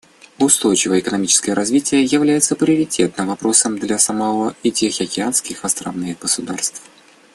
Устойчивое экономическое развитие является приоритетным вопросом для Самоа и тихоокеанских островных государств.